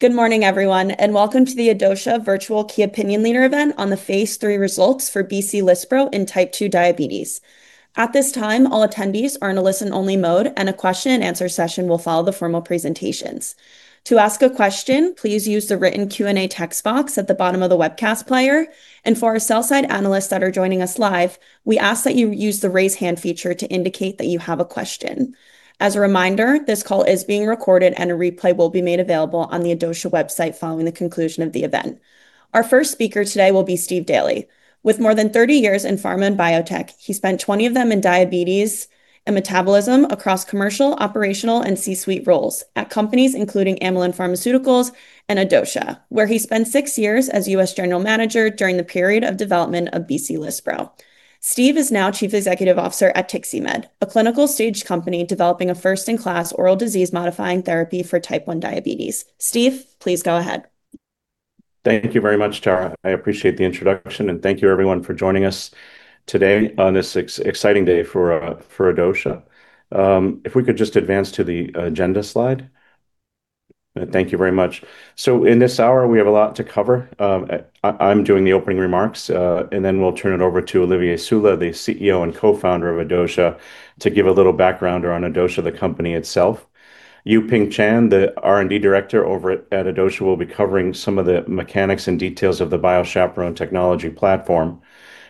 Good morning, everyone, and welcome to the Adocia virtual Key Opinion Leader event on the phase III results for BC Lispro in type 2 diabetes. At this time, all attendees are in a listen-only mode, and a question-and-answer session will follow the formal presentations. To ask a question, please use the written Q&A text box at the bottom of the webcast player, and for our sell-side analysts that are joining us live, we ask that you use the raise hand feature to indicate that you have a question. As a reminder, this call is being recorded, and a replay will be made available on the Adocia website following the conclusion of the event. Our first speaker today will be Steve Daly. With more than 30 years in pharma and biotech, he spent 20 of them in diabetes and metabolism across commercial, operational, and C-suite roles at companies including Amylin Pharmaceuticals and Adocia, where he spent six years as U.S. General Manager during the period of development of BC Lispro. Steve is now Chief Executive Officer at TIXiMED, a clinical stage company developing a first-in-class oral disease modifying therapy for type 1 diabetes. Steve, please go ahead. Thank you very much, Tara. I appreciate the introduction and thank you everyone for joining us today on this exciting day for Adocia. If we could just advance to the agenda slide. Thank you very much. In this hour, we have a lot to cover. I'm doing the opening remarks, and then we'll turn it over to Olivier Soula, the CEO and Co-Founder of Adocia, to give a little background around Adocia, the company itself. You Ping Chan, the R&D Director over at Adocia, will be covering some of the mechanics and details of the BioChaperone technology platform.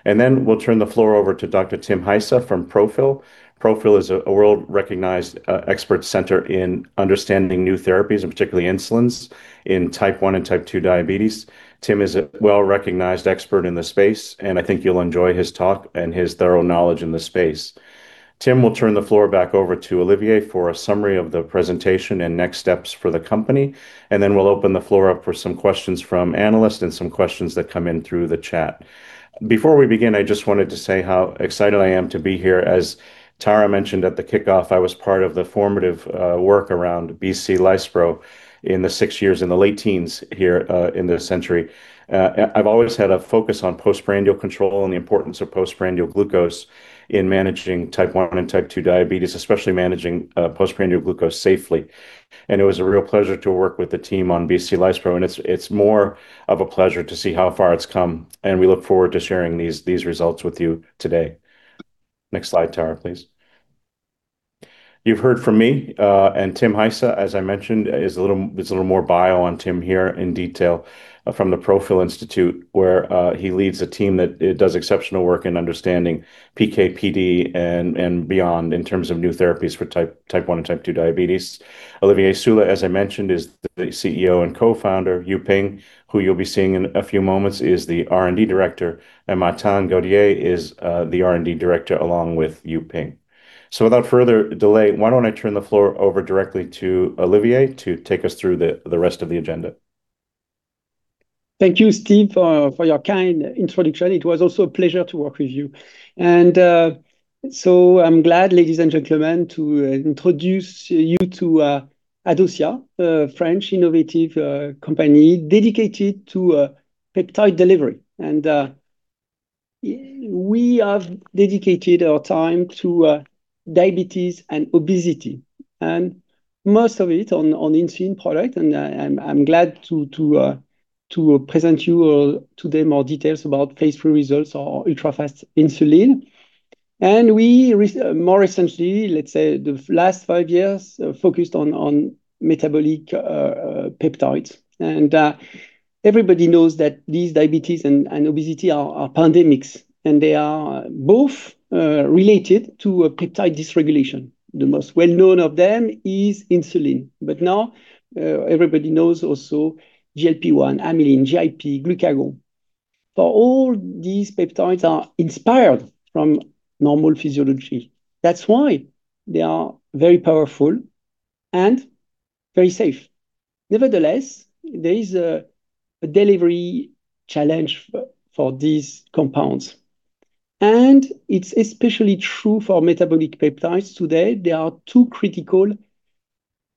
Then, we'll turn the floor over to Dr. Tim Heise from Profil. Profil is a world-recognized expert center in understanding new therapies, particularly insulins in type 1 and type 2 diabetes. Tim is a well-recognized expert in the space, and I think you'll enjoy his talk and his thorough knowledge in the space. Tim will turn the floor back over to Olivier for a summary of the presentation and next steps for the company, and then we'll open the floor up for some questions from analysts and some questions that come in through the chat. Before we begin, I just wanted to say how excited I am to be here. As Tara mentioned at the kickoff, I was part of the formative work around BC Lispro in the six years in the late teens here, in the century. I've always had a focus on postprandial control and the importance of postprandial glucose in managing type 1 and type 2 diabetes, especially managing postprandial glucose safely. It was a real pleasure to work with the team on BC Lispro, and it's more of a pleasure to see how far it's come, and we look forward to sharing these results with you today. Next slide, Tara, please. You've heard from me, and Tim Heise, as I mentioned, is a little more bio on Tim here in detail from the Profil Institute, where he leads a team that does exceptional work in understanding PK/PD and beyond in terms of new therapies for type 1 and type 2 diabetes. Olivier Soula, as I mentioned, is the CEO and Co-Founder. You Ping, who you'll be seeing in a few moments, is the R&D Director, and Martin Gaudier is the R&D Director, along with You Ping. Without further delay, why don't I turn the floor over directly to Olivier to take us through the rest of the agenda. Thank you, Steve, for your kind introduction. It was also a pleasure to work with you. I'm glad, ladies and gentlemen, to introduce you to Adocia, a French innovative company dedicated to peptide delivery. We have dedicated our time to diabetes and obesity, and most of it on insulin product. I'm glad to present you today more details about phase III results of our ultra-fast insulin. We, more recently, let's say, the last five years, focused on metabolic peptides. Everybody knows that these diabetes and obesity are pandemics, and they are both related to a peptide dysregulation. The most well-known of them is insulin, but now, everybody knows also GLP-1, amylin, GIP, glucagon. For all these peptides are inspired from normal physiology, that's why they are very powerful and very safe. Nevertheless, there is a delivery challenge for these compounds, and it's especially true for metabolic peptides today. There are two critical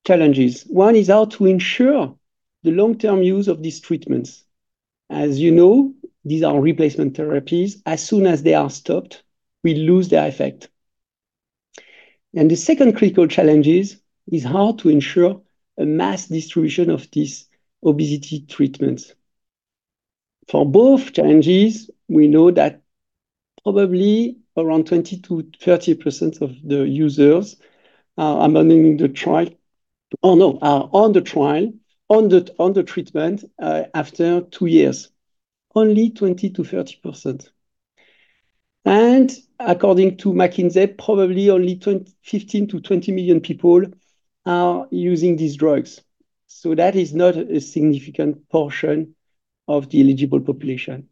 challenges. One is how to ensure the long-term use of these treatments. As you know, these are replacement therapies. As soon as they are stopped, we lose their effect. The second critical challenge is how to ensure a mass distribution of these obesity treatments. For both challenges, we know that probably around 20%-30% of the users are abandoning the trial-- oh, no, are on the trial, on the treatment, after two years. Only 20%-30%. And according to McKinsey, probably only 15 million-20 million people are using these drugs, so that is not a significant portion of the eligible population.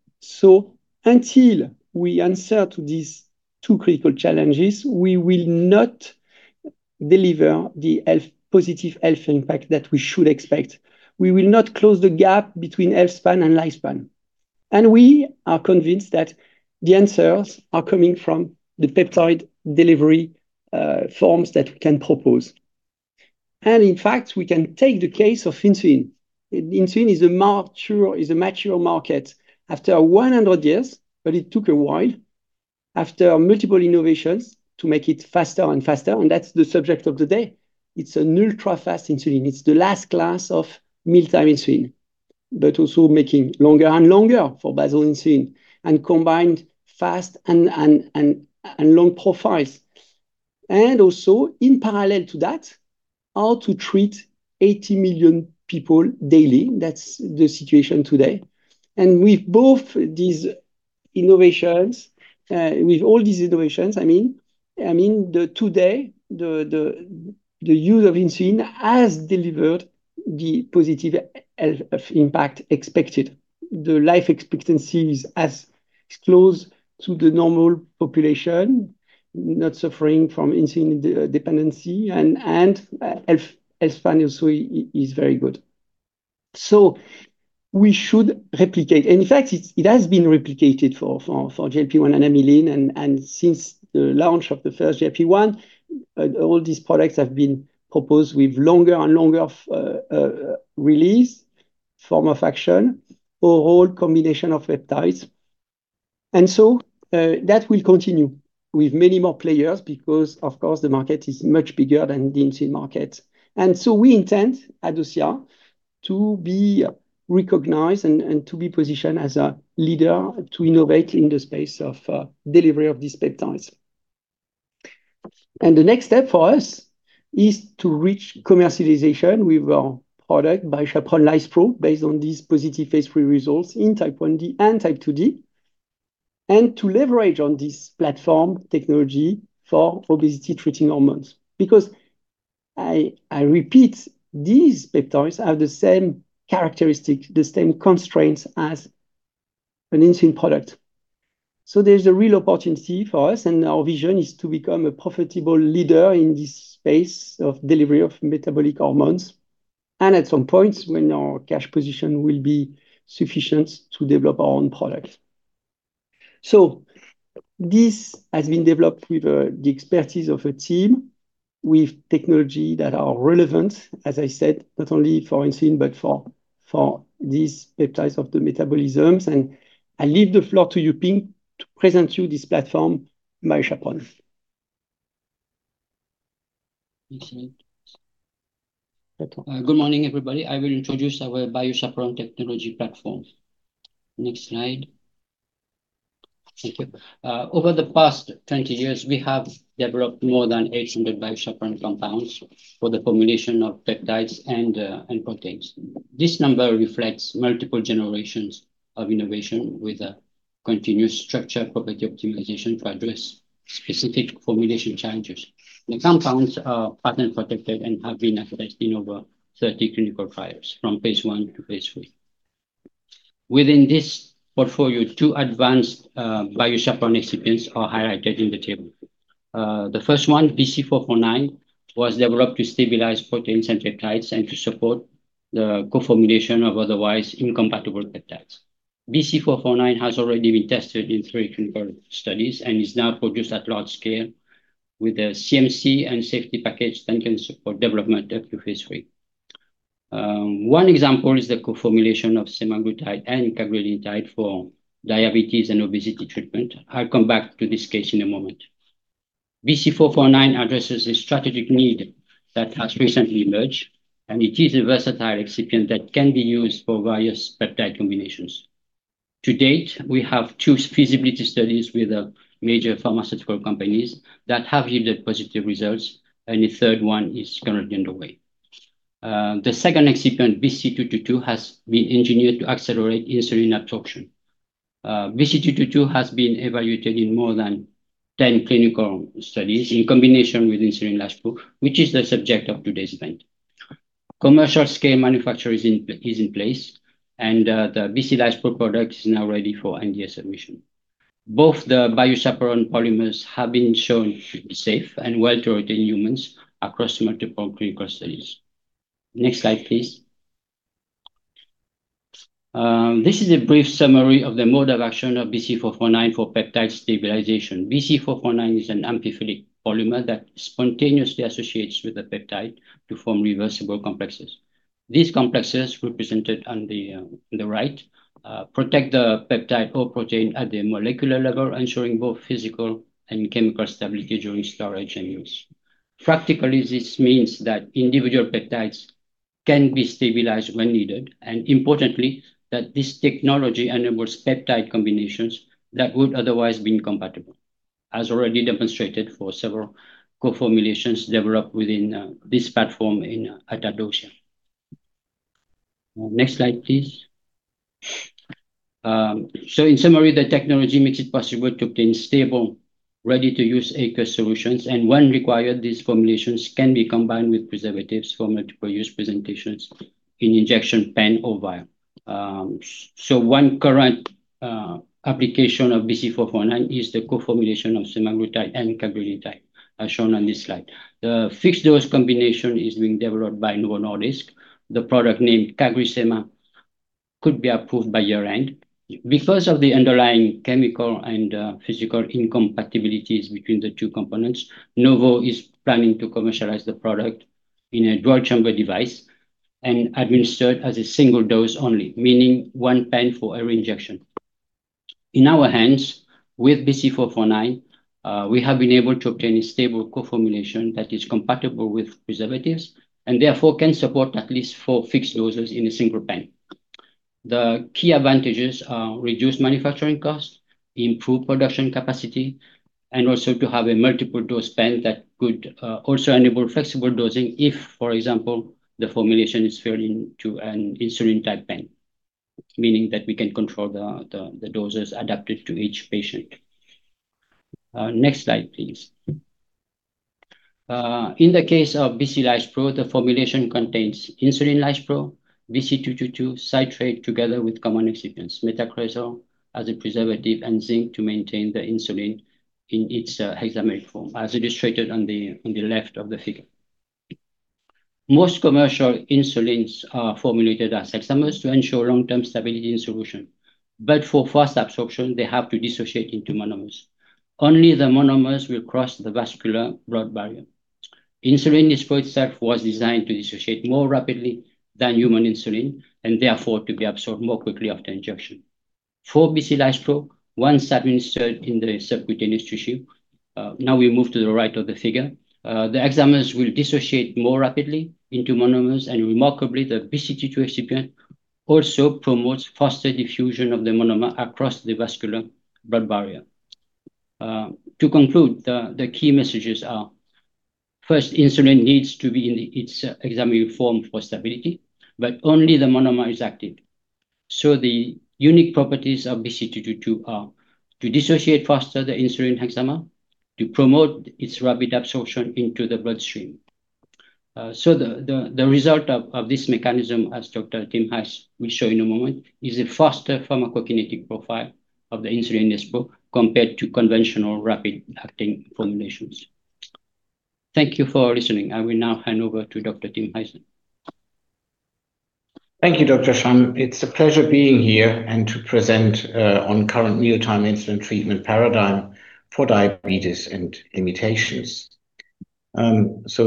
Until we answer to these two critical challenges, we will not deliver the positive health impact that we should expect. We will not close the gap between health span and lifespan. We are convinced that the answers are coming from the peptide delivery forms that we can propose. In fact, we can take the case of insulin. Insulin is a mature market after 100 years, but it took a while after multiple innovations to make it faster and faster, and that's the subject of the day. It's an ultra-fast insulin. It's the last class of mealtime insulin but also making longer and longer for basal insulin and combined fast and long profiles. Also, in parallel to that, how to treat 80 million people daily. That's the situation today. With both these innovations, with all these innovations, I mean, I mean that today, the use of insulin has delivered the positive health impact expected. The life expectancy is as close to the normal population, not suffering from insulin dependency, and health span also is very good. So, we should replicate, and in fact, it has been replicated for GLP-1 and amylin. Since the launch of the first GLP-1, all these products have been proposed with longer and longer release form of action or whole combination of peptides. That will continue with many more players because, of course, the market is much bigger than the insulin market. We intend, at Adocia, to be recognized and to be positioned as a leader to innovate in the space of delivery of these peptides. The next step for us is to reach commercialization with our product BioChaperone Lispro, based on these positive phase III results in type 1D and type 2D, and to leverage on this platform technology for obesity treating hormones because I repeat, these peptides have the same characteristics, the same constraints as an insulin product. There's a real opportunity for us, and our vision is to become a profitable leader in this space of delivery of metabolic hormones, and at some point, when our cash position will be sufficient to develop our own product. This has been developed with the expertise of a team with technology that are relevant, as I said, not only for insulin, but for these peptides of the metabolisms. I leave the floor to You Ping to present you this platform, BioChaperone. Next slide. Okay. Good morning, everybody. I will introduce our BioChaperone technology platform. Next slide. Thank you. Over the past 20 years, we have developed more than 800 BioChaperone compounds for the formulation of peptides and proteins. This number reflects multiple generations of innovation with a continuous structure property optimization to address specific formulation challenges. The compounds are patent protected and have been assessed in over 30 clinical trials from phase I to phase III. Within this portfolio, two advanced BioChaperone excipients are highlighted in the table. The first one, BC 449, was developed to stabilize proteins and peptides and to support the co-formulation of otherwise incompatible peptides. BC 449 has already been tested in three clinical studies and is now produced at large scale with a CMC and safety package that can support development up to phase III. One example is the co-formulation of semaglutide and cagrilintide for diabetes and obesity treatment. I'll come back to this case in a moment. BC 449 addresses a strategic need that has recently emerged, and it is a versatile excipient that can be used for various peptide combinations. To date, we have two feasibility studies with major pharmaceutical companies that have yielded positive results, and a third one is currently underway. The second excipient, BC 222, has been engineered to accelerate insulin absorption. BC 222 has been evaluated in more than 10 clinical studies in combination with insulin lispro, which is the subject of today's event. Commercial scale manufacture is in place, and the BC Lispro product is now ready for NDA submission. Both the BioChaperone polymers have been shown to be safe and well-tolerated in humans across multiple clinical studies. Next slide, please. This is a brief summary of the mode of action of BC 449 for peptide stabilization. BC 449 is an amphiphilic polymer that spontaneously associates with the peptide to form reversible complexes. These complexes represented on the right protect the peptide or protein at the molecular level, ensuring both physical and chemical stability during storage and use. Practically, this means that individual peptides can be stabilized when needed, and importantly, that this technology enables peptide combinations that would otherwise be incompatible, as already demonstrated for several co-formulations developed within this platform at Adocia. Next slide, please. In summary, the technology makes it possible to obtain stable, ready-to-use aqueous solutions, and when required, these formulations can be combined with preservatives for multiple use presentations in injection pen or vial. One current application of BC 449 is the co-formulation of semaglutide and cagrilintide, as shown on this slide. The fixed dose combination is being developed by Novo Nordisk. The product name, CagriSema, could be approved by year-end. Because of the underlying chemical and physical incompatibilities between the two components, Novo is planning to commercialize the product in a dual-chamber device and administered as a single dose only, meaning one pen for every injection. In our hands, with BC 449, we have been able to obtain a stable co-formulation that is compatible with preservatives and therefore can support at least four fixed doses in a single pen. The key advantages are reduced manufacturing cost, improved production capacity, and also to have a multiple dose pen that could also enable flexible dosing if, for example, the formulation is filled into an insulin-type pen, meaning that we can control the doses adapted to each patient. Next slide, please. In the case of BC Lispro, the formulation contains insulin lispro, BC 222 citrate together with common excipients, metacresol as a preservative, and zinc to maintain the insulin in its hexameric form, as illustrated on the left of the figure. Most commercial insulins are formulated as hexamers to ensure long-term stability in solution, but for fast absorption, they have to dissociate into monomers. Only the monomers will cross the vascular blood barrier. Insulin lispro itself was designed to dissociate more rapidly than human insulin, and therefore to be absorbed more quickly after injection. For BC Lispro, once administered in the subcutaneous tissue, now we move to the right of the figure, the hexamers will dissociate more rapidly into monomers, and remarkably, the BC 222 excipient also promotes faster diffusion of the monomer across the vascular blood barrier. To conclude, the key messages are, first, insulin needs to be in its hexameric form for stability, but only the monomer is active. The unique properties of BC 222 are to dissociate faster the insulin hexamer to promote its rapid absorption into the bloodstream. The result of this mechanism, as Dr. Tim will show in a moment, is a faster pharmacokinetic profile of the insulin lispro compared to conventional rapid-acting formulations. Thank you for listening. I will now hand over to Dr. Tim Heise. Thank you, Dr. Chan. It's a pleasure being here and to present on current mealtime insulin treatment paradigm for diabetes and limitations.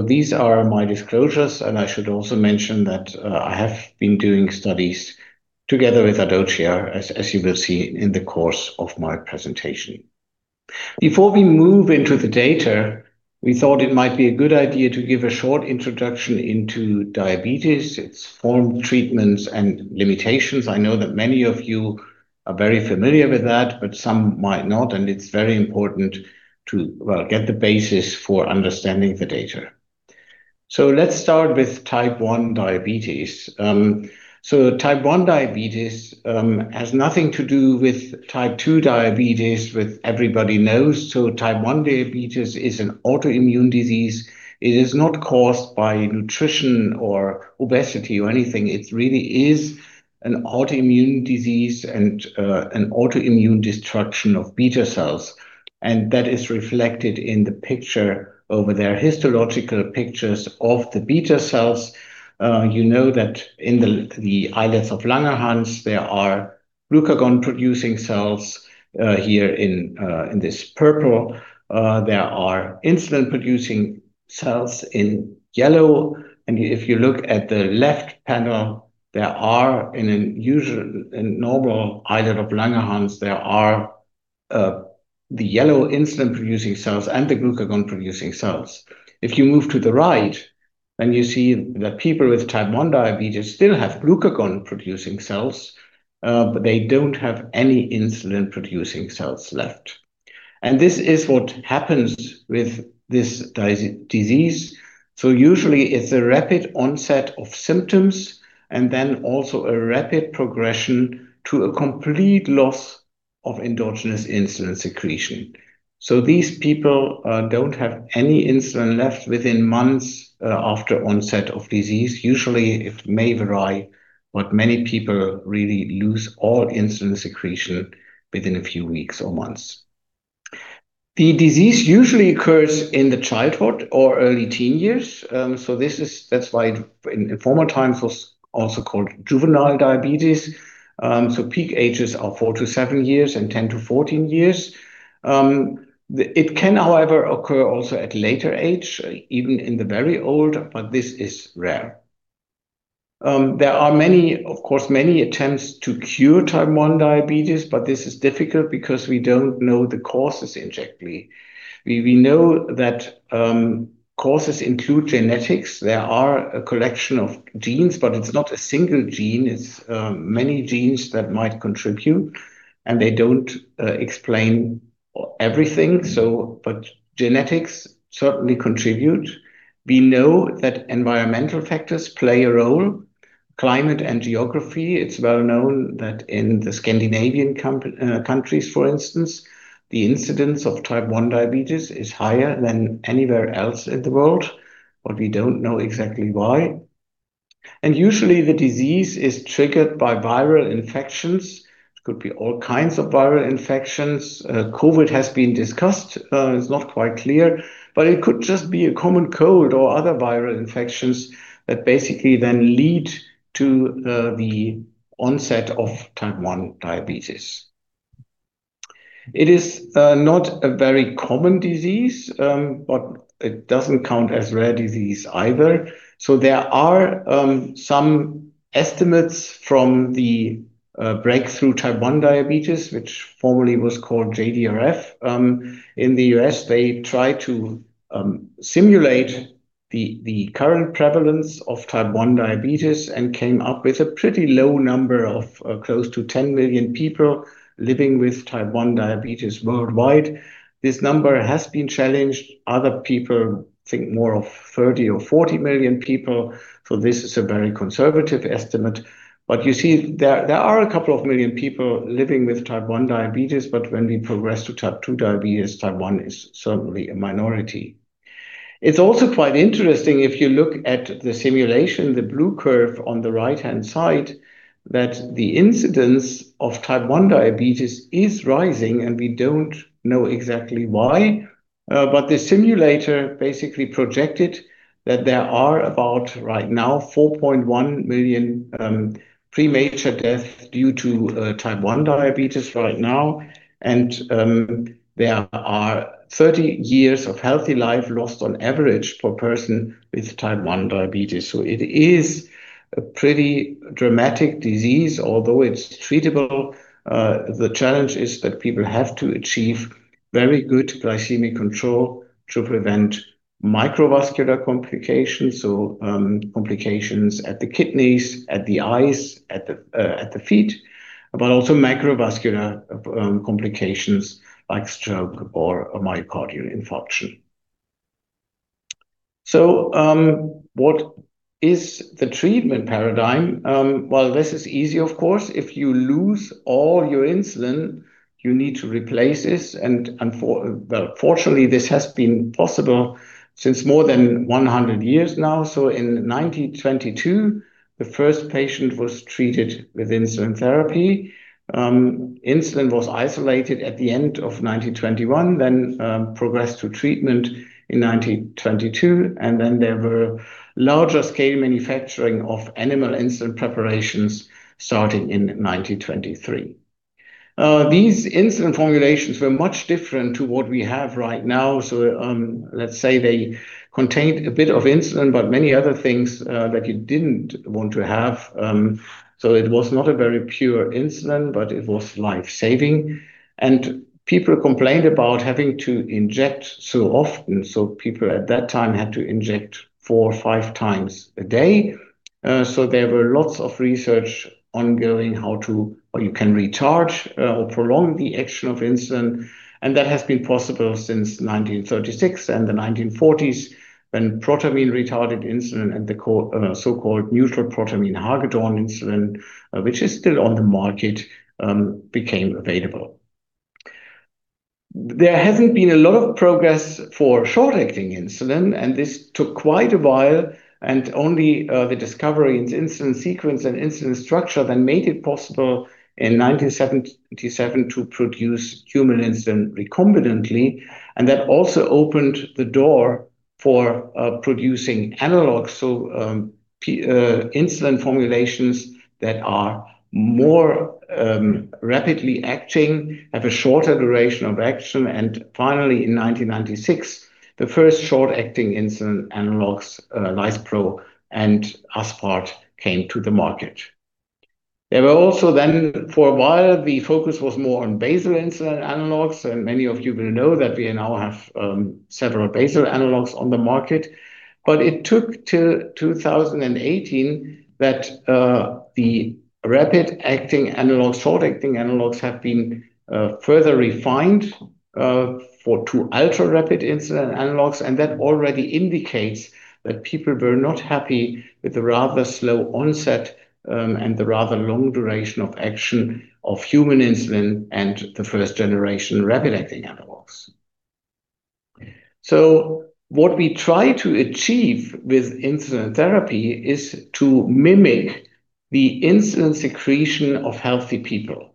These are my disclosures, and I should also mention that I have been doing studies together with Adocia, as you will see in the course of my presentation. Before we move into the data, we thought it might be a good idea to give a short introduction into diabetes, its form of treatments, and limitations. I know that many of you are very familiar with that, but some might not, and it's very important to get the basis for understanding the data. Let's start with type 1 diabetes. Type 1 diabetes has nothing to do with type 2 diabetes, which everybody knows. Type 1 diabetes is an autoimmune disease. It is not caused by nutrition or obesity or anything. It really is an autoimmune disease and an autoimmune destruction of beta cells, and that is reflected in the picture over there, histological pictures of the beta cells. You know that in the islets of Langerhans, there are glucagon-producing cells, here in this purple. There are insulin-producing cells in yellow, and if you look at the left panel, in a usual and normal islet of Langerhans, there are the yellow insulin-producing cells and the glucagon-producing cells. If you move to the right, then you see that people with type 1 diabetes still have glucagon-producing cells, but they don't have any insulin-producing cells left. This is what happens with this disease. Usually, it's a rapid onset of symptoms and then also a rapid progression to a complete loss of endogenous insulin secretion. These people don't have any insulin left within months after onset of disease. Usually, it may vary, but many people really lose all insulin secretion within a few weeks or months. The disease usually occurs in the childhood or early teen years. That's why in former times it was also called juvenile diabetes. Peak ages are four to seven years and 10-14 years. It can, however, occur also at later age, even in the very old, but this is rare. There are, of course, many attempts to cure type 1 diabetes, but this is difficult because we don't know the causes exactly. We know that causes include genetics. There are a collection of genes, but it's not a single gene. It's many genes that might contribute, and they don't explain everything. Genetics certainly contribute. We know that environmental factors play a role, climate and geography. It's well known that in the Scandinavian countries, for instance, the incidence of type 1 diabetes is higher than anywhere else in the world, but we don't know exactly why. Usually, the disease is triggered by viral infections. It could be all kinds of viral infections. COVID has been discussed. It's not quite clear, but it could just be a common cold or other viral infections that basically then lead to the onset of type 1 diabetes. It is not a very common disease, but it doesn't count as rare disease either. There are some estimates from the Breakthrough Type 1 Diabetes, which formerly was called JDRF. In the U.S., they try to simulate the current prevalence of type 1 diabetes and came up with a pretty low number of close to 10 million people living with type 1 diabetes worldwide. This number has been challenged. Other people think more of 30 million or 40 million people, so this is a very conservative estimate, but you see, there are a couple of million people living with type 1 diabetes, but when we progress to type 2 diabetes, type 1 is certainly a minority. It's also quite interesting if you look at the simulation, the blue curve on the right-hand side, that the incidence of type 1 diabetes is rising, and we don't know exactly why. The simulator basically projected that there are about, right now, 4.1 million premature deaths due to type 1 diabetes right now, and there are 30 years of healthy life lost on average per person with type 1 diabetes. It is a pretty dramatic disease. Although it's treatable, the challenge is that people have to achieve very good glycemic control to prevent microvascular complications, so complications at the kidneys, at the eyes, at the feet, but also macrovascular complications like stroke or myocardial infarction. What is the treatment paradigm? This is easy, of course. If you lose all your insulin, you need to replace this and fortunately, this has been possible since more than 100 years now. In 1922, the first patient was treated with insulin therapy. Insulin was isolated at the end of 1921, then progressed to treatment in 1922, and then there were larger scale manufacturing of animal insulin preparations starting in 1923. These insulin formulations were much different to what we have right now, so let's say they contained a bit of insulin, but many other things that you didn't want to have, so it was not a very pure insulin, but it was lifesaving. People complained about having to inject so often, so people at that time had to inject four or five times a day. There were lots of research ongoing how you can recharge or prolong the action of insulin, and that has been possible since 1936 and the 1940s, when protamine retarded insulin and the so-called neutral protamine Hagedorn insulin, which is still on the market, became available. There hasn't been a lot of progress for short-acting insulin, and this took quite a while and only the discovery in insulin sequence and insulin structure then made it possible in 1977 to produce human insulin recombinantly, and that also opened the door for producing analogs, so insulin formulations that are more rapidly acting, have a shorter duration of action. Finally, in 1996, the first short-acting insulin analogs, lispro and aspart, came to the market. Also, for a while, the focus was more on basal insulin analogs, and many of you will know that we now have several basal analogs on the market. It took till 2018 that the rapid-acting analog, short-acting analogs have been further refined for two ultra-rapid insulin analogs, and that already indicates that people were not happy with the rather slow onset, and the rather long duration of action of human insulin and the first-generation rapid-acting analogs. What we try to achieve with insulin therapy is to mimic the insulin secretion of healthy people.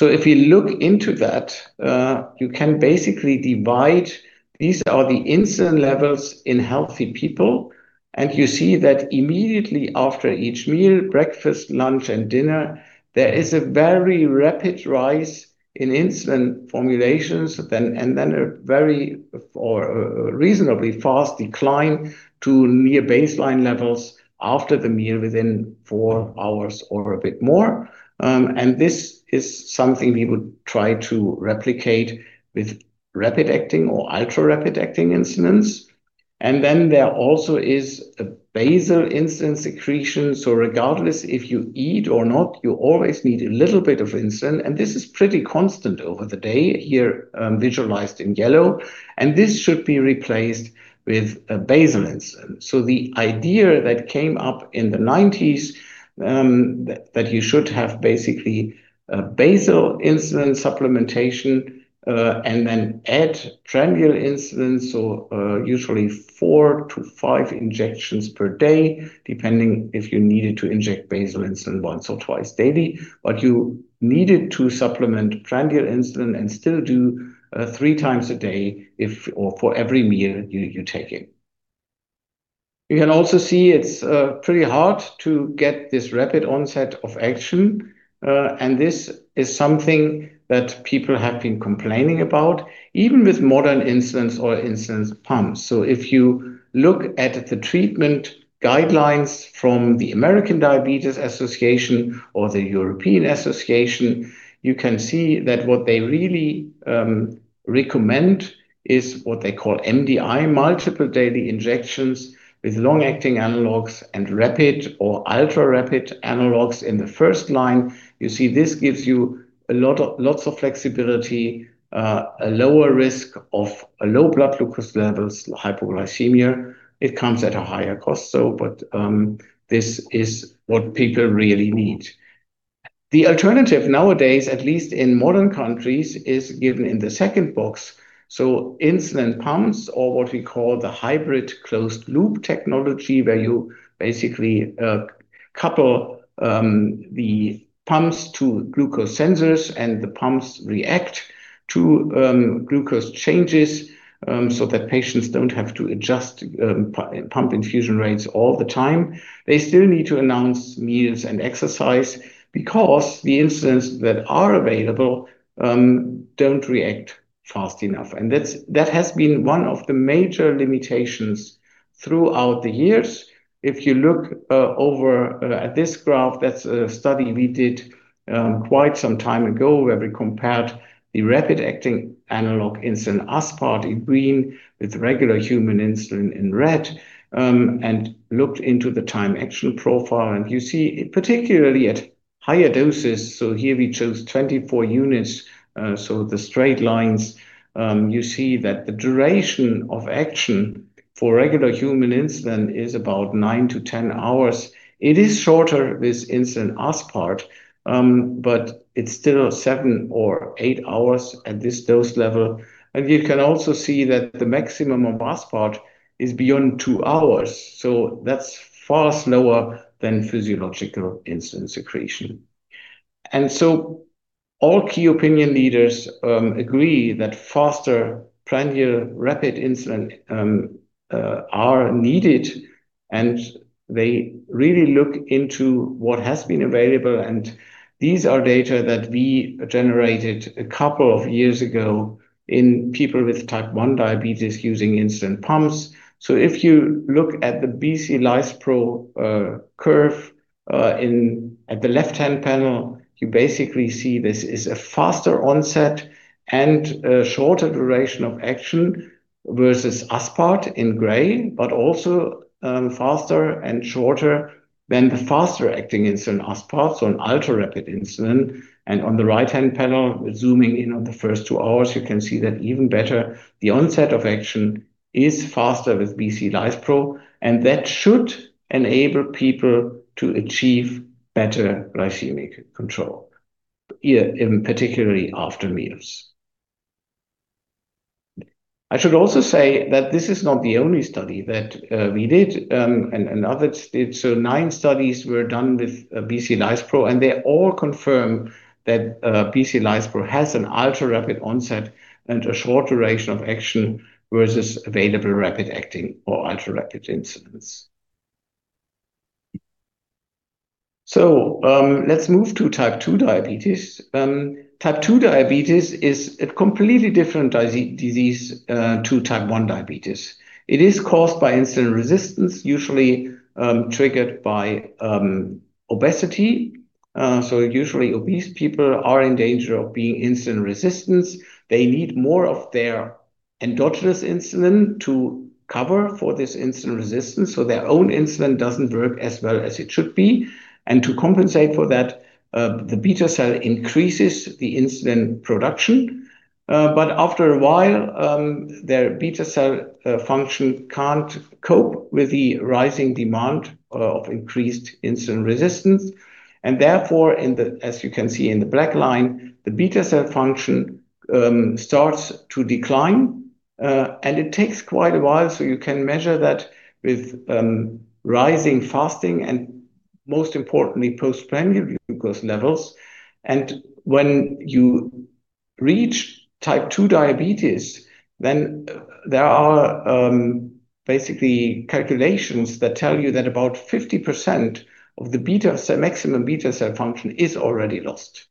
If you look into that, you can basically divide, these are the insulin levels in healthy people, and you see that immediately after each meal, breakfast, lunch, and dinner, there is a very rapid rise in insulin formulations then, and then a very or reasonably fast decline to near baseline levels after the meal within four hours or a bit more. This is something we would try to replicate with rapid-acting or ultra rapid-acting insulins. Then, there also is a basal insulin secretion, so regardless if you eat or not, you always need a little bit of insulin, and this is pretty constant over the day, here visualized in yellow. This should be replaced with a basal insulin. The idea that came up in the 1990s, that you should have basically a basal insulin supplementation. Then, add prandial insulin, usually four to five injections per day, depending if you needed to inject basal insulin once or twice daily. You needed to supplement prandial insulin and still do three times a day or for every meal you take in. You can also see it's pretty hard to get this rapid onset of action. This is something that people have been complaining about, even with modern insulins or insulin pumps. If you look at the treatment guidelines from the American Diabetes Association or the European Association, you can see that what they really recommend is what they call MDI, multiple daily injections, with long-acting analogs and rapid or ultra-rapid analogs in the first line. You see this gives you lots of flexibility, a lower risk of low blood glucose levels, hypoglycemia. It comes at a higher cost though, but this is what people really need. The alternative nowadays, at least in modern countries, is given in the second box. Insulin pumps or what we call the hybrid closed-loop technology, where you basically couple the pumps to glucose sensors and the pumps react to glucose changes so that patients don't have to adjust pump infusion rates all the time. They still need to announce meals and exercise because the insulins that are available don't react fast enough. That has been one of the major limitations throughout the years. If you look over at this graph, that's a study we did quite some time ago where we compared the rapid-acting analog insulin aspart in green with regular human insulin in red and looked into the time-action profile. You see, particularly at higher doses, so here we chose 24 units, so the straight lines, you see that the duration of action for regular human insulin is about 9-10 hours. It is shorter with insulin aspart, but it's still seven or eight hours at this dose level. You can also see that the maximum of aspart is beyond two hours, so that's far slower than physiological insulin secretion. All key opinion leaders agree that faster prandial rapid insulin are needed, and they really look into what has been available, and these are data that we generated a couple of years ago in people with type 1 diabetes using insulin pumps. If you look at the BC Lispro curve at the left-hand panel, you basically see this is a faster onset and a shorter duration of action versus aspart in gray, but also faster and shorter than the faster-acting insulin aspart, so an ultra-rapid insulin. On the right-hand panel, zooming in on the first two hours, you can see that even better. The onset of action is faster with BC Lispro, and that should enable people to achieve better glycemic control, particularly after meals. I should also say that this is not the only study that we did. Nine studies were done with BC Lispro, and they all confirm that BC Lispro has an ultra-rapid onset and a short duration of action versus available rapid-acting or ultra-rapid insulins. Let's move to type 2 diabetes. Type 2 diabetes is a completely different disease to type 1 diabetes. It is caused by insulin resistance, usually triggered by obesity. Usually, obese people are in danger of being insulin resistance. They need more of their endogenous insulin to cover for this insulin resistance, so their own insulin doesn't work as well as it should be. To compensate for that, the beta cell increases the insulin production. After a while, their beta cell function can't cope with the rising demand of increased insulin resistance, and therefore, as you can see in the black line, the beta cell function starts to decline, and it takes quite a while. You can measure that with rising, fasting, and most importantly, postprandial glucose levels. When you reach type 2 diabetes, then there are basically calculations that tell you that about 50% of the maximum beta cell function is already lost.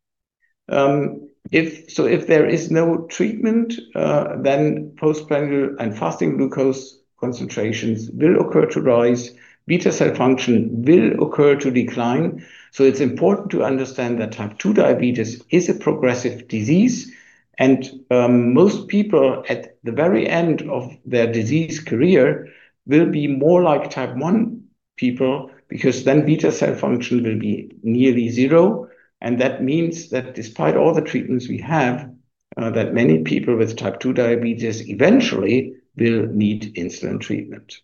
If there is no treatment, then postprandial and fasting glucose concentrations will occur to rise. Beta cell function will occur to decline, so it's important to understand that type 2 diabetes is a progressive disease, and most people at the very end of their disease career will be more like type 1 people because then beta cell function will be nearly zero, and that means that despite all the treatments we have, that many people with type 2 diabetes eventually will need insulin treatment.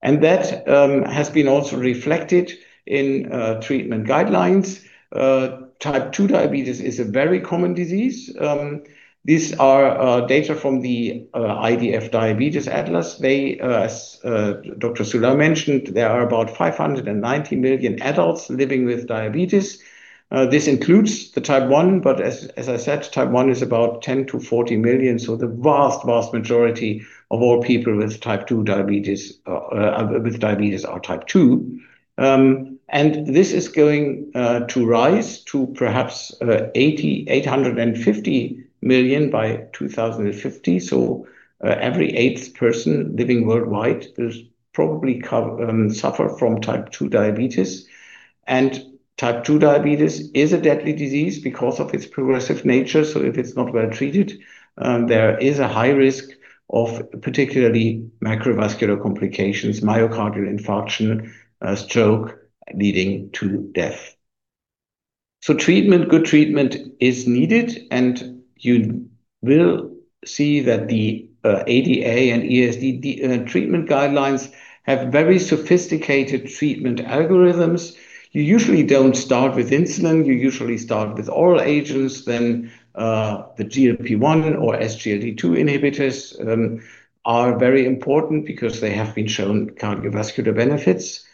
That has been also reflected in treatment guidelines. Type 2 diabetes is a very common disease. These are data from the IDF Diabetes Atlas. As Dr. Soula mentioned, there are about 590 million adults living with diabetes. This includes the type 1, but as I said, type 1 is about 10 million-40 million, so the vast, vast majority of all people with diabetes are type 2. This is going to rise to perhaps 850 million by 2050. Every eighth person living worldwide will probably suffer from type 2 diabetes. Type 2 diabetes is a deadly disease because of its progressive nature, so if it's not well-treated, there is a high risk of particularly macrovascular complications, myocardial infarction, stroke, leading to death. Good treatment is needed, and you will see that the ADA and EASD treatment guidelines have very sophisticated treatment algorithms. You usually don't start with insulin. You usually start with oral agents. Then, the GLP-1 or SGLT2 inhibitors are very important because they have been shown cardiovascular benefits.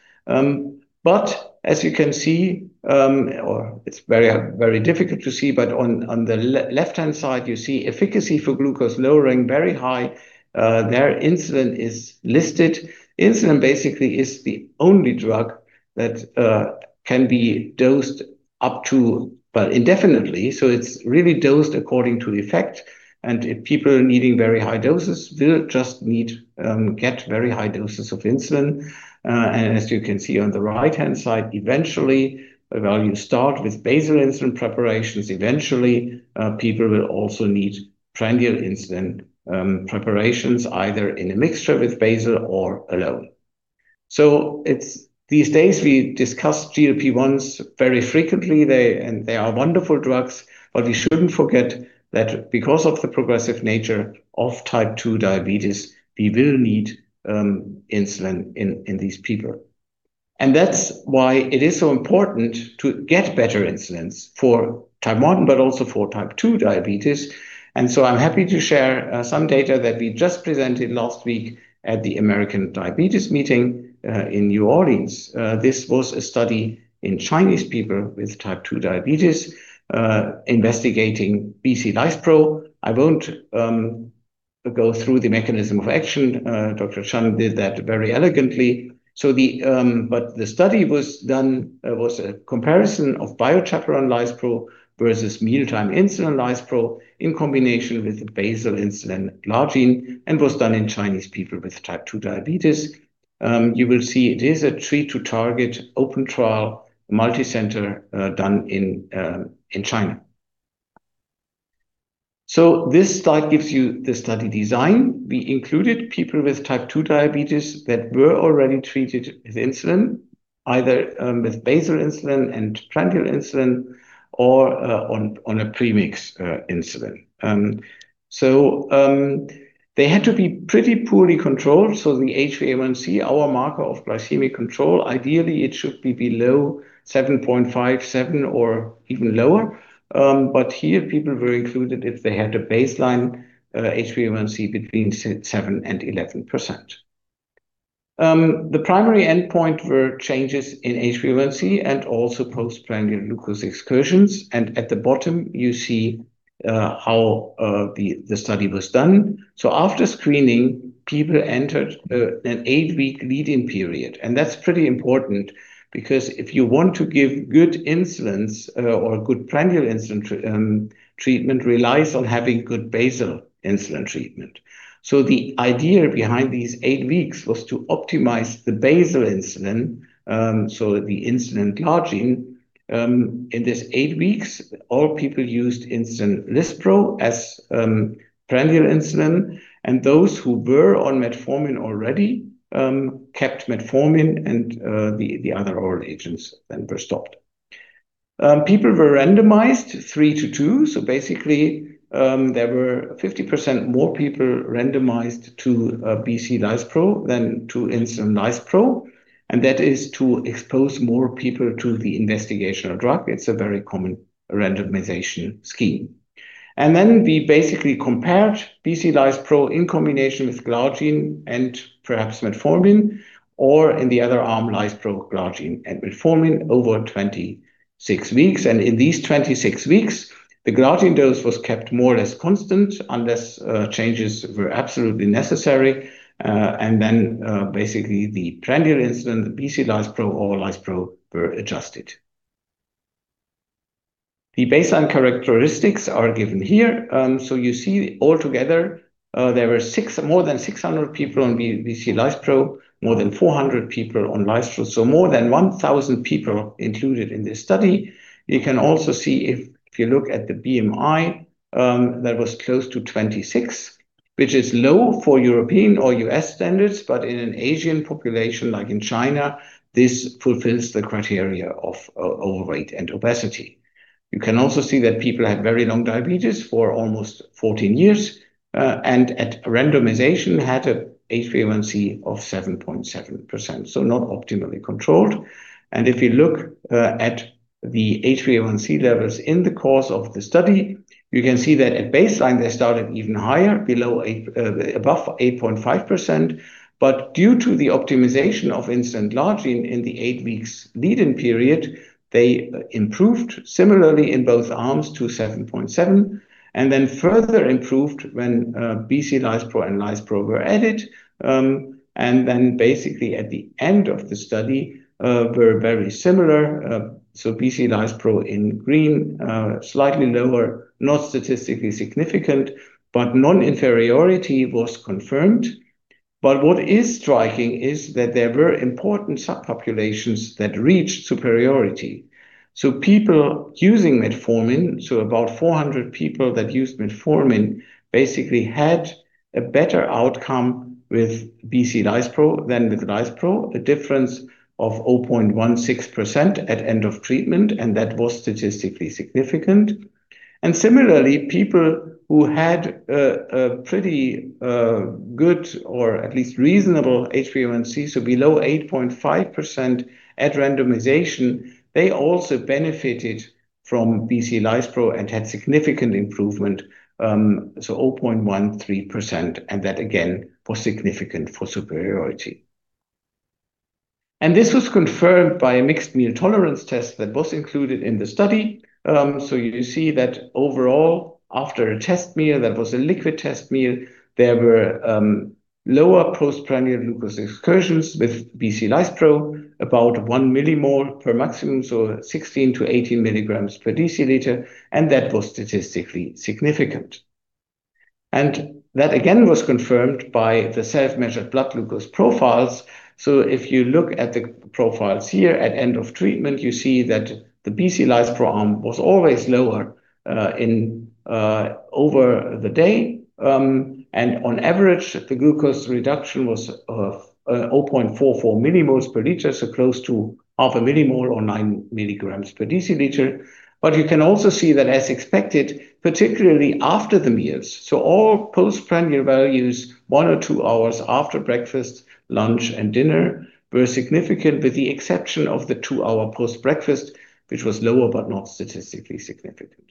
As you can see, or it's very difficult to see, but on the left-hand side, you see efficacy for glucose lowering, very high. There, insulin is listed. Insulin basically is the only drug that can be dosed up to indefinitely, so it's really dosed according to the effect. If people are needing very high doses, they will just get very high doses of insulin. As you can see on the right-hand side, eventually, well, you start with basal insulin preparations, eventually, people will also need prandial insulin preparations, either in a mixture with basal or alone. These days, we discuss GLP-1s very frequently, and they are wonderful drugs, but we shouldn't forget that because of the progressive nature of type 2 diabetes, we will need insulin in these people. That's why it is so important to get better insulins for type 1, but also for type 2 diabetes. I'm happy to share some data that we just presented last week at the American Diabetes meeting in New Orleans. This was a study in Chinese people with type 2 diabetes, investigating BC Lispro. I won't go through the mechanism of action; Dr. Chan did that very elegantly. The study was done, was a comparison of BioChaperone Lispro versus mealtime insulin lispro in combination with basal insulin glargine and was done in Chinese people with type 2 diabetes. You will see it is a treat to target open trial multicenter done in China. This slide gives you the study design. We included people with type 2 diabetes that were already treated with insulin, either with basal insulin and prandial insulin or on a premix insulin. They had to be pretty poorly controlled. The HbA1c, our marker of glycemic control, ideally, it should be below 7.5, seven, or even lower, but here, people were included if they had a baseline HbA1c between 6%, 7%, and 11%. The primary endpoint were changes in HbA1c and also postprandial glucose excursions. At the bottom, you see how the study was done. After screening, people entered an eight-week lead-in period, and that's pretty important because if you want to give good insulins or good prandial insulin treatment relies on having good basal insulin treatment. The idea behind these eight weeks was to optimize the basal insulin, the insulin glargine. In these eight weeks, all people used insulin lispro as prandial insulin, and those who were on metformin already, kept metformin and the other oral agents then were stopped. People were randomized 3:2, so basically, there were 50% more people randomized to BC Lispro than to insulin lispro, and that is to expose more people to the investigational drug. It is a very common randomization scheme. We basically compared BC Lispro in combination with glargine and perhaps metformin, or in the other arm, lispro, glargine, and metformin over 26 weeks. In these 26 weeks, the glargine dose was kept more or less constant unless changes were absolutely necessary. Basically, the prandial insulin, the BC Lispro and lispro were adjusted. The baseline characteristics are given here and so you see, altogether, there were more than 600 people on BC Lispro, more than 400 people on lispro, so more than 1,000 people included in this study. You can also see if you look at the BMI, that was close to 26, which is low for European or U.S. standards, but in an Asian population like in China, this fulfills the criteria of overweight and obesity. You can also see that people had very long diabetes for almost 14 years, and at randomization had a HbA1c of 7.7%, so not optimally controlled. If you look at the HbA1c levels in the course of the study, you can see that at baseline, they started even higher, above 8.5%, but due to the optimization of insulin glargine in the eight weeks lead-in period, they improved similarly in both arms to 7.7%, and then further improved when BC Lispro and lispro were added. Basically, at the end of the study, were very similar, so BC Lispro in green, slightly lower, not statistically significant, but non-inferiority was confirmed. What is striking is that there were important subpopulations that reached superiority. People using metformin, about 400 people that used metformin basically had a better outcome with BC Lispro than with lispro, a difference of 0.16% at end of treatment, and that was statistically significant. Similarly, people who had a pretty good, or at least reasonable HbA1c, so below 8.5% at randomization, they also benefited from BC Lispro and had significant improvement, so 0.13%, and that, again, was significant for superiority. This was confirmed by a mixed meal tolerance test that was included in the study. You see that overall, after a test meal, that was a liquid test meal, there were lower postprandial glucose excursions with BC Lispro, about 1 mmol per maximum, so 16-18 mg/dL, and that was statistically significant. That again was confirmed by the self-measured blood glucose profiles. If you look at the profiles here at end of treatment, you see that the BC Lispro arm was always lower over the day. On average, the glucose reduction was 0.44 mmol/L, so close to 0.5 mmol or 9 mg/dL. You can also see that as expected, particularly after the meals, all postprandial values one or two hours after breakfast, lunch, and dinner were significant with the exception of the two-hour post breakfast, which was lower, but not statistically significant.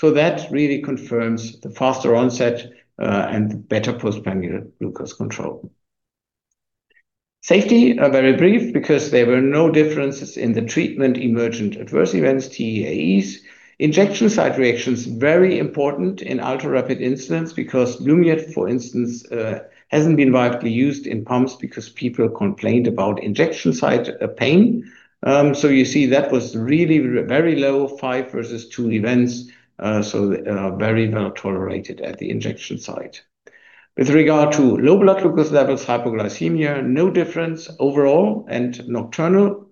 That really confirms the faster onset, and the better postprandial glucose control. Safety, very brief, because there were no differences in the Treatment-Emergent Adverse Events, TEAEs, injection site reactions, very important in ultra-rapid insulin because, for instance, hasn't been widely used in pumps because people complained about injection site pain. You see that was really very low, five versus two events, so very well-tolerated at the injection site. With regard to low blood glucose levels, hypoglycemia, no difference overall and nocturnal.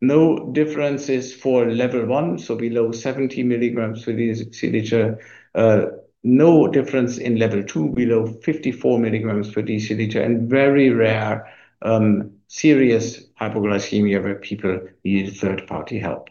No differences for level 1, so below 70 mg/dL. No difference in level 2, below 54 mg/dL, and very rare, serious hypoglycemia where people need third-party help.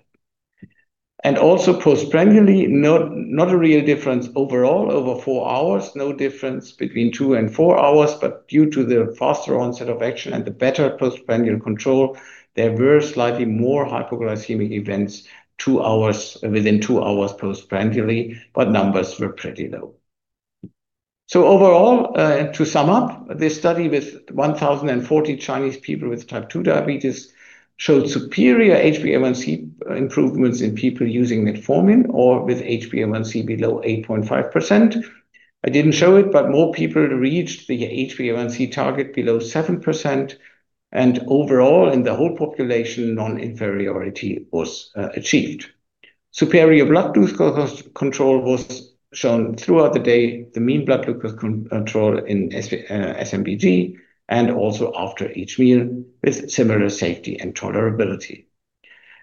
Also postprandially, not a real difference overall over four hours, no difference between two and four hours, but due to the faster onset of action and the better postprandial control, there were slightly more hypoglycemic events within two hours postprandially, but numbers were pretty low. Overall, to sum up, this study with 1,040 Chinese people with type 2 diabetes showed superior HbA1c improvements in people using metformin or with HbA1c below 8.5%. I didn't show it, but more people reached the HbA1c target below 7%, and overall, in the whole population, non-inferiority was achieved. Superior blood glucose control was shown throughout the day, the mean blood glucose control in SMBG and also after each meal with similar safety and tolerability.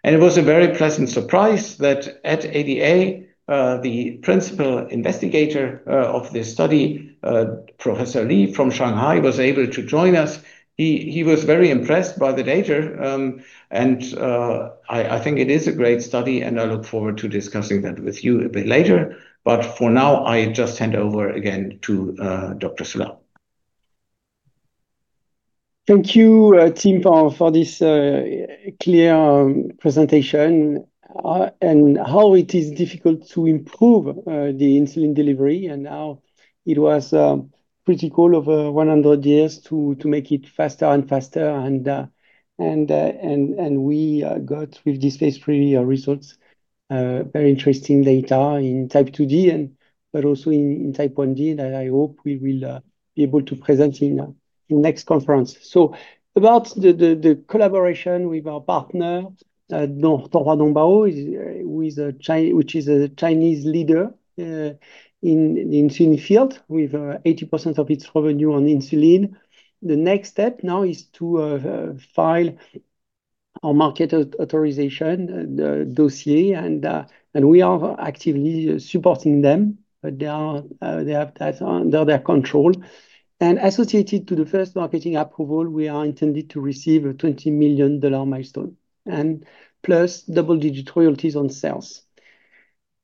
It was a very pleasant surprise that at ADA, the principal investigator of this study, Professor Li from Shanghai, was able to join us. He was very impressed by the data, and I think it is a great study, and I look forward to discussing that with you a bit later. For now, I just hand over again to Dr. Soula. Thank you, Tim, for this clear presentation and how it is difficult to improve the insulin delivery and how it was pretty cool over 100 years to make it faster and faster. We got with this phase III results very interesting data in type 2D, but also in type 1D that I hope we will be able to present in next conference. About the collaboration with our partner, Tonghua Dongbao, which is a Chinese leader in insulin field with 80% of its revenue on insulin. The next step now is to file our market authorization dossier and we are actively supporting them, but they are under their control. Associated to the first marketing approval, we are intended to receive a $20 million milestone plus double-digit royalties on sales.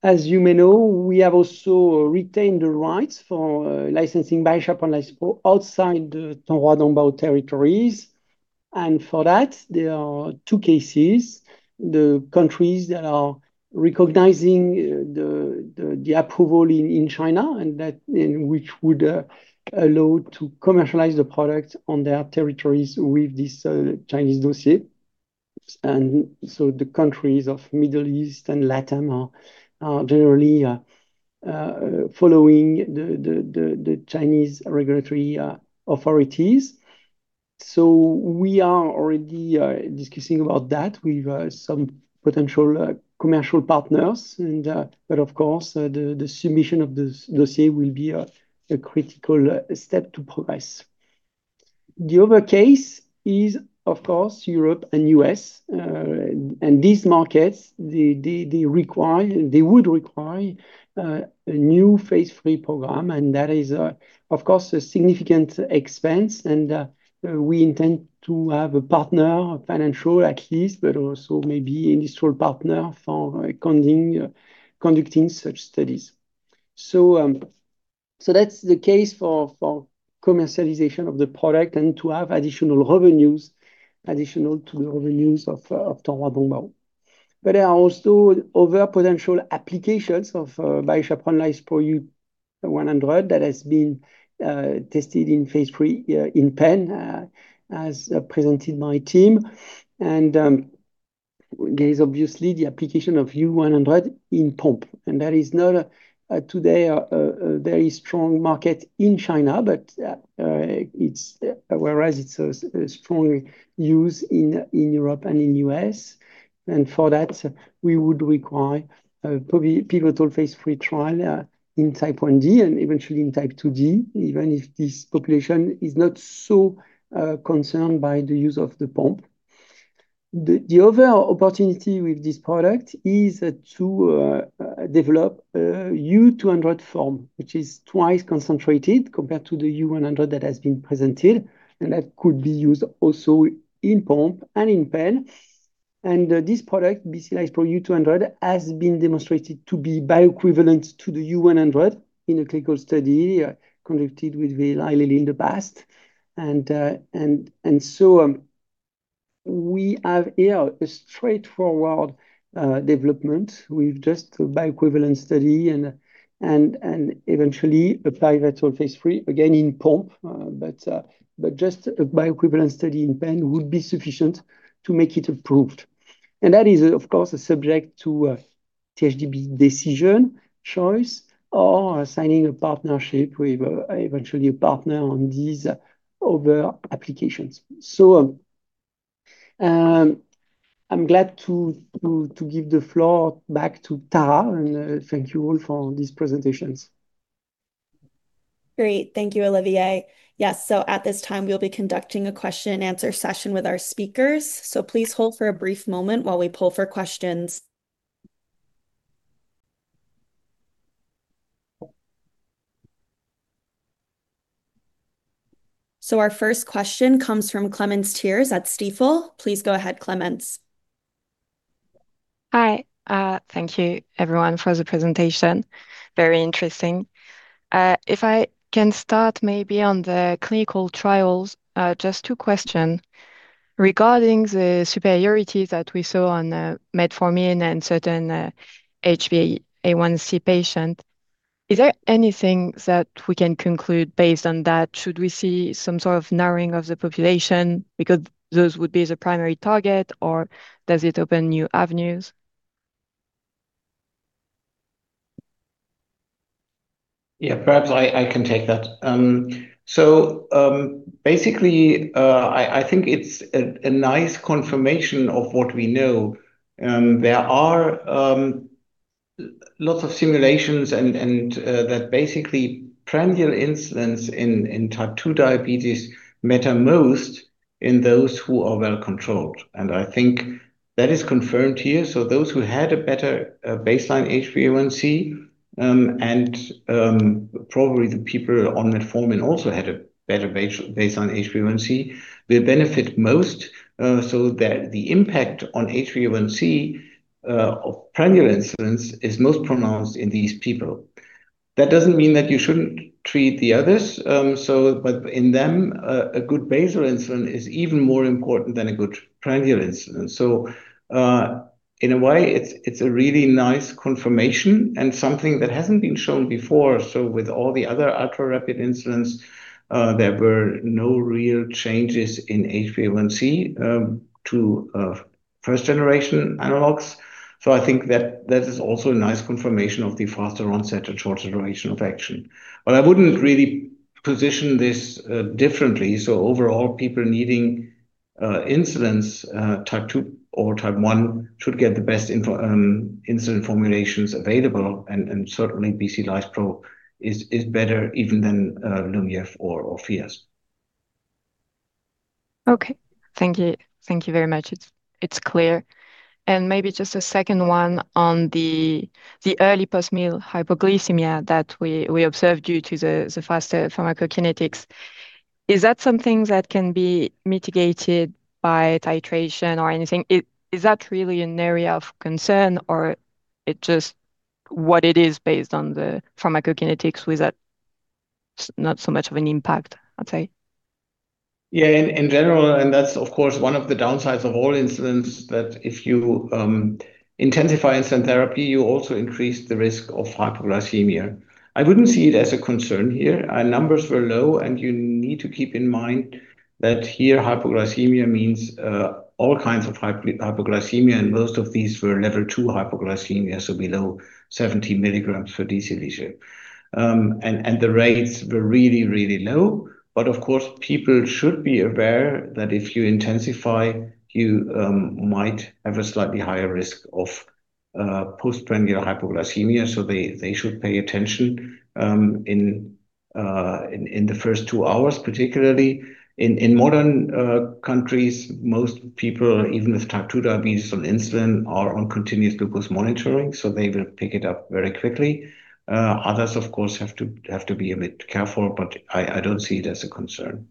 As you may know, we have also retained the rights for licensing BioChaperone outside the Tonghua Dongbao territories, and for that, there are two cases. The countries that are recognizing the approval in China and which would allow to commercialize the product on their territories with this Chinese dossier. The countries of Middle East and LATAM are generally following the Chinese regulatory authorities. We are already discussing about that with some potential commercial partners but of course, the submission of this dossier will be a critical step to progress. The other case is, of course, Europe and U.S., and these markets, they would require a new phase III program, and that is, of course, a significant expense, and we intend to have a partner, financial at least, but also maybe industrial partner for conducting such studies. That's the case for commercialization of the product and to have additional revenues, additional to the revenues of Tonghua Dongbao. There are also other potential applications of BioChaperone Lispro U100 that has been tested in phase III in pen, as presented my team. There is obviously the application of U100 in pump, and that is not today a very strong market in China, but whereas it's a strong use in Europe and in U.S., and for that, we would require probably pivotal phase III trial in type 1D and eventually in type 2D, even if this population is not so concerned by the use of the pump. The other opportunity with this product is to develop a U200 form, which is twice concentrated compared to the U100 that has been presented, and that could be used also in pump and in pen. This product, BC Lispro U200, has been demonstrated to be bioequivalent to the U100 in a clinical study conducted with Eli Lilly in the past. We have here a straightforward development with just a bioequivalent study and eventually a pivotal phase III, again in pump. Just a bioequivalent study in pen would be sufficient to make it approved. That is, of course, a subject to THDB decision choice or signing a partnership with eventually a partner on these other applications. I'm glad to give the floor back to Tara, and thank you all for these presentations. Great. Thank you, Olivier. Yes, at this time, we'll be conducting a question-and-answer session with our speakers, so please hold for a brief moment while we pull for questions. Our first question comes from Clemence Thiers at Stifel. Please go ahead, Clemence. Hi. Thank you everyone for the presentation. Very interesting. If I can start maybe on the clinical trials, just two question. Regarding the superiority that we saw on the metformin and certain HbA1c patient, is there anything that we can conclude based on that? Should we see some sort of narrowing of the population because those would be the primary target, or does it open new avenues? Yeah, perhaps I can take that. Basically, I think it's a nice confirmation of what we know. There are lots of simulations and that basically prandial insulins in type 2 diabetes matter most in those who are well-controlled, and I think that is confirmed here. Those who had a better baseline HbA1c, and probably the people on metformin also had a better baseline HbA1c, will benefit most, so that the impact on HbA1c of prandial insulins is most pronounced in these people. That doesn't mean that you shouldn't treat the others, but in them, a good basal insulin is even more important than a good prandial insulin. In a way, it's a really nice confirmation and something that hasn't been shown before. With all the other ultra rapid insulins, there were no real changes in HbA1c to first generation analogs. I think that is also a nice confirmation of the faster onset and shorter duration of action. I wouldn't really position this differently. Overall, people needing insulins, type 2 or type 1, should get the best insulin formulations available, and certainly BC Lispro is better even than Lyumjev or Fiasp. Okay. Thank you. Thank you very much. It's clear. Maybe just a second one on the early post-meal hypoglycemia that we observed due to the faster pharmacokinetics. Is that something that can be mitigated by titration or anything? Is that really an area of concern, or it just what it is based on the pharmacokinetics with that not so much of an impact, I'd say? In general, that's, of course, one of the downsides of all insulins, that if you intensify insulin therapy, you also increase the risk of hypoglycemia. I wouldn't see it as a concern here. Our numbers were low. You need to keep in mind that here, hypoglycemia means all kinds of hypoglycemia. Most of these were level 2 hypoglycemia, so below 70 mg/dL. The rates were really, really low, but of course, people should be aware that if you intensify, you might have a slightly higher risk of postprandial hypoglycemia, so they should pay attention in the first two hours, particularly. In modern countries, most people, even with type 2 diabetes on insulin, are on continuous glucose monitoring, so they will pick it up very quickly. Others, of course, have to be a bit careful, but I don't see it as a concern.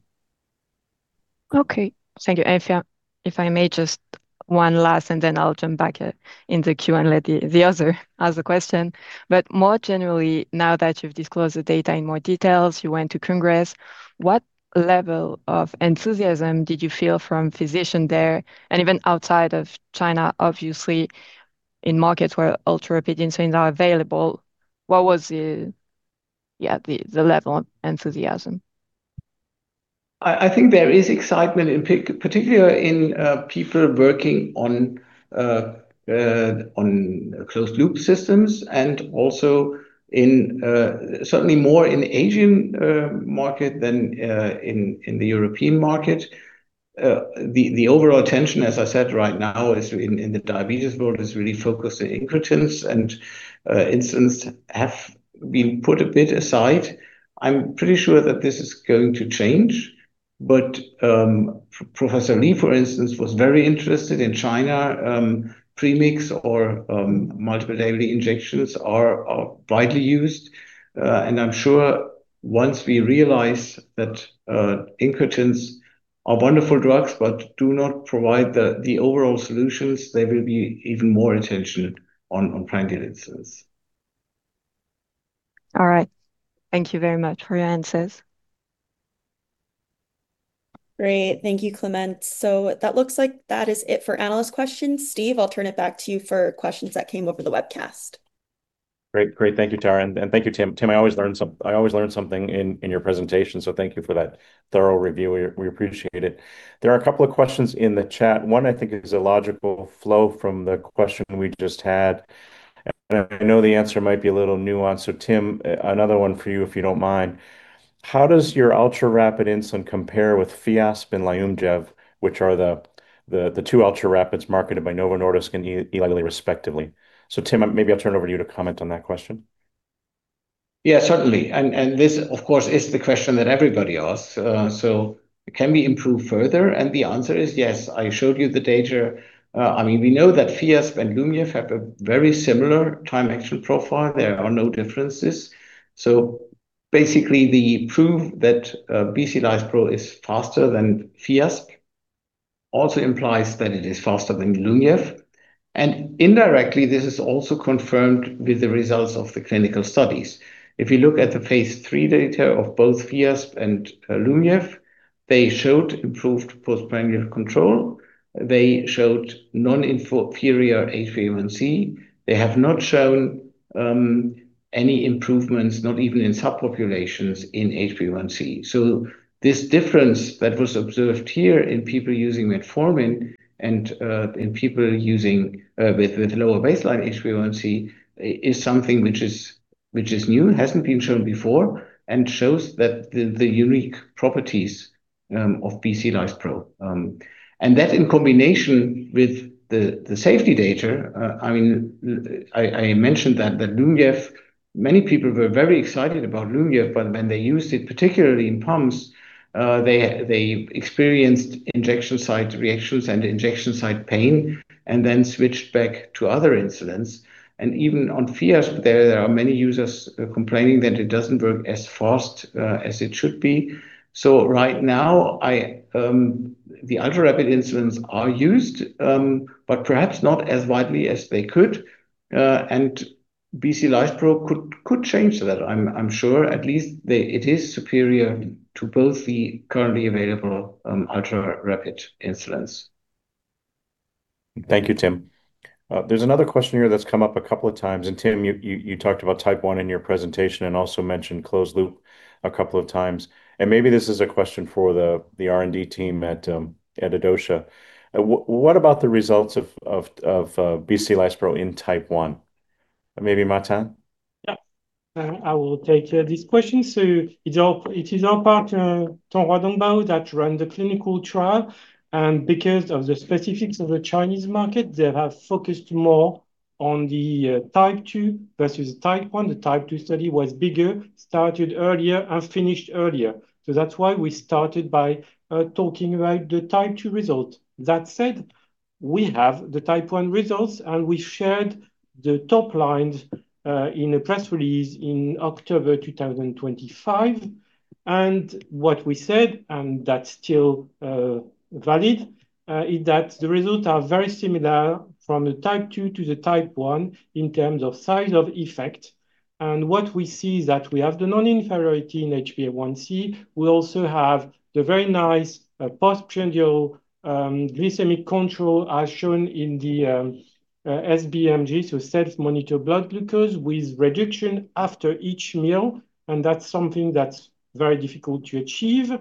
Okay. Thank you. If I may, just one last and then I'll jump back in the queue and let the other ask the question. More generally, now that you've disclosed the data in more details, you went to Congress, what level of enthusiasm did you feel from physicians there and even outside of China, obviously in markets where ultra-rapid insulins are available? What was the level of enthusiasm? I think there is excitement, particularly in people working on closed loop systems and also certainly more in Asian market than in the European market. The overall attention, as I said, right now is in the diabetes world, is really focused on incretins. Insulins have been put a bit aside. I'm pretty sure that this is going to change. Professor Li, for instance, was very interested in China, premix or multiple daily injections are widely used. I'm sure once we realize that incretins are wonderful drugs but do not provide the overall solutions, there will be even more attention on prandial insulins. All right. Thank you very much for your answers. Great. Thank you, Clemence. That looks like that is it for analyst questions. Steve, I'll turn it back to you for questions that came over the webcast. Great. Thank you, Tara, and thank you, Tim. Tim, I always learn something in your presentation, so thank you for that thorough review. We appreciate it. There are a couple of questions in the chat. One, I think is a logical flow from the question we just had, and I know the answer might be a little nuanced. Tim, another one for you, if you don't mind. How does your ultra-rapid insulin compare with Fiasp and Lyumjev, which are the two ultra-rapids marketed by Novo Nordisk and Eli Lilly, respectively? Tim, maybe I'll turn it over to you to comment on that question. Yeah, certainly. This, of course, is the question that everybody asks. Can we improve further? The answer is yes. I showed you the data. We know that Fiasp and Lyumjev have a very similar time action profile. There are no differences. Basically, the proof that BC Lispro is faster than Fiasp also implies that it is faster than Lyumjev. Indirectly, this is also confirmed with the results of the clinical studies. If you look at the phase III data of both Fiasp and Lyumjev, they showed improved postprandial control. They showed non-inferior HbA1c. They have not shown any improvements, not even in subpopulations in HbA1c. This difference that was observed here in people using metformin and in people with lower baseline HbA1c is something which is new, hasn't been shown before, and shows the unique properties of BC Lispro. That in combination with the safety data, I mentioned that Lyumjev, many people were very excited about Lyumjev, and when they used it, particularly in pumps, they experienced injection site reactions and injection site pain and then switched back to other insulins. Even on Fiasp, there are many users complaining that it doesn't work as fast as it should be. Right now, the ultra-rapid insulins are used, perhaps not as widely as they could. BC Lispro could change that, I'm sure at least it is superior to both the currently available ultra-rapid insulins. Thank you, Tim. There's another question here that's come up a couple of times. Tim, you talked about type 1 in your presentation and also mentioned closed loop a couple of times. Maybe this is a question for the R&D team at Adocia. What about the results of BC Lispro in type 1? Maybe Martin? Yeah. I will take this question. It is our partner, Tonghua Dongbao, that run the clinical trial. Because of the specifics of the Chinese market, they have focused more on the type 2 versus type 1. The type 2 study was bigger, started earlier, and finished earlier. That's why we started by talking about the type 2 result. That said, we have the type 1 results, and we shared the top line in a press release in October 2025. What we said, and that's still valid, is that the results are very similar from the type 2 to the type 1 in terms of size of effect. What we see is that we have the non-inferiority in HbA1c. We also have the very nice postprandial glycemic control as shown in the SMBG, so self-monitored blood glucose with reduction after each meal, and that's something that's very difficult to achieve.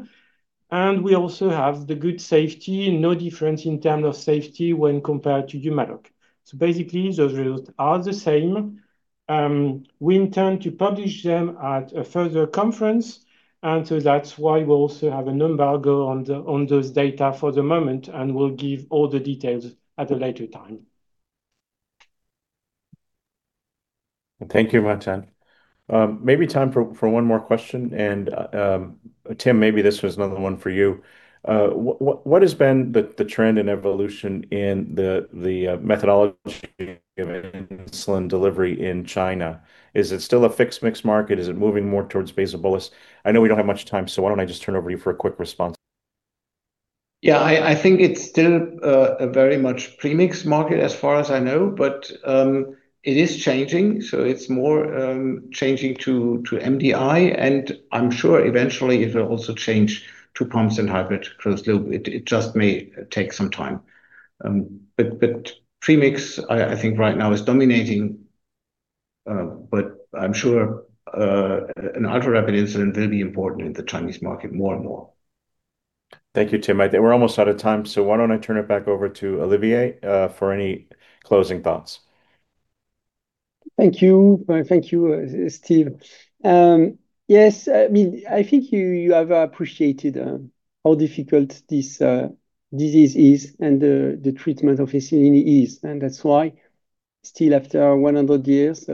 We also have the good safety, no difference in terms of safety when compared to Humalog. Basically, those results are the same. We intend to publish them at a further conference. That's why we also have an embargo on those data for the moment. We'll give all the details at a later time. Thank you, Martin. Maybe time for one more question. Tim, maybe this one is another one for you. What has been the trend and evolution in the methodology of insulin delivery in China? Is it still a fixed mix market? Is it moving more towards basal bolus? I know we don't have much time. Why don't I just turn over to you for a quick response? Yeah, I think it's still a very much premix market as far as I know, but it is changing, so it's more changing to MDI, and I'm sure eventually, it will also change to pumps and hybrid closed-loop. It just may take some time. Premix, I think right now is dominating, but I'm sure, an ultra-rapid insulin will be important in the Chinese market more and more. Thank you, Tim. We're almost out of time, so why don't I turn it back over to Olivier for any closing thoughts? Thank you. Thank you, Steve. Yes, I think you have appreciated how difficult this disease is and the treatment of insulin is. That's why still after 100 years,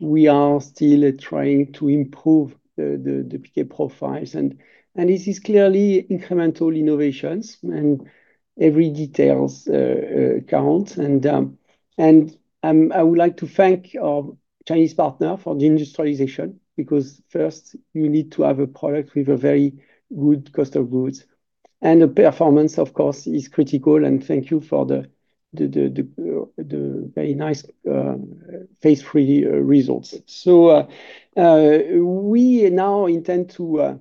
we are still trying to improve the PK profiles, and this is clearly incremental innovations and every detail count. I would like to thank our Chinese partner for the industrialization, because first, you need to have a product with a very good cost of goods, and the performance, of course, is critical, and thank you for the very nice phase III results. We now intend to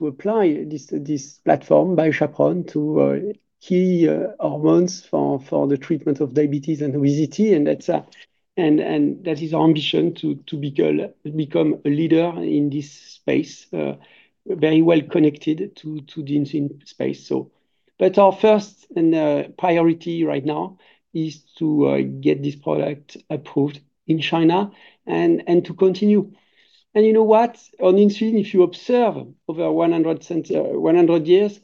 apply this platform, BioChaperone, to key hormones for the treatment of diabetes and obesity, and that is our ambition to become a leader in this space, very well connected to the insulin space. Our first priority right now is to get this product approved in China and to continue. And you know what? On insulin, if you observe over 100 years,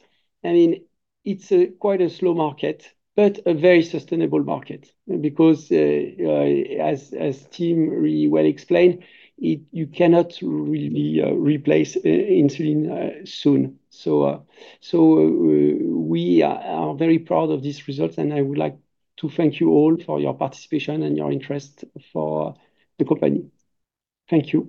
it's quite a slow market, but a very sustainable market because as Tim really well explained, you cannot really replace insulin soon. We are very proud of these results. I would like to thank you all for your participation and your interest for the company. Thank you.